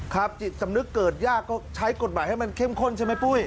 จิตสำนึกเกิดยากก็ใช้กฎหมายให้มันเข้มข้นใช่ไหมปุ้ย